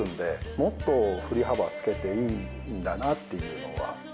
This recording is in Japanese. もっと振り幅つけていいんだなっていうのは。